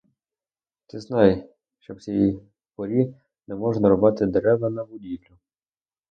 Ти знай, що в цій порі не можна рубати дерева на будівлю.